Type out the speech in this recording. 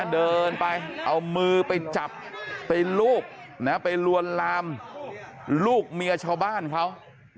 เดินไปเอามือไปจับไปลูกไปลวนลามลูกเมียชาวบ้านเขา